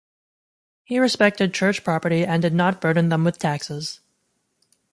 He respected church property and did not burden them with taxes.